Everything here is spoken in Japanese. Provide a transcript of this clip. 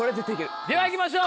ではいきましょう。